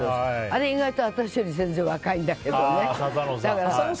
あれ意外と私より全然若いんだけどね。